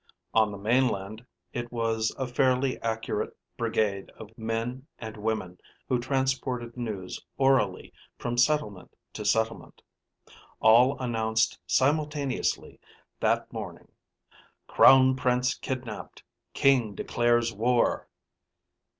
On the mainland it was a fairly accurate brigade of men and women who transported news orally from settlement to settlement. All announced simultaneously that morning: CROWN PRINCE KIDNAPED KING DECLARES WAR!